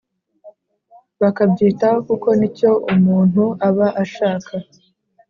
bakabyitaho kuko ni cyo umuntu aba ashaka